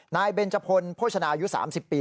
นายเบนจพลโภชนายุ๓๐ปี